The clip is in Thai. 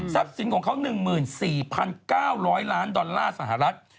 สับสินของเขาหนึ่งหมื่นสี่พันเก้าร้อยล้านดอลลาร์สหรัฐ